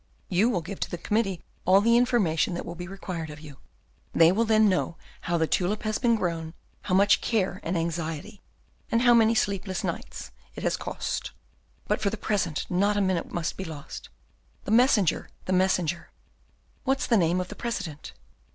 You will give to the committee all the information that will be required of you. They will then know how the tulip has been grown, how much care and anxiety, and how many sleepless nights, it has cost. But for the present not a minute must be lost. The messenger! the messenger!" "What's the name of the President?"